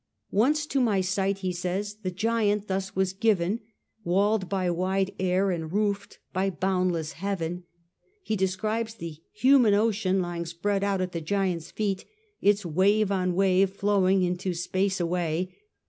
' Once to my sight,' he says, ' the giant thus was given ; walled by wide air and roofed by boundless heaven.' He describes 'the human ocean' lying spread out at the giant's feet; its ' wave on wave ' flowing ' into space away.